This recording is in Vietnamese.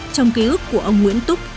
trong ký ức của ông nguyễn túc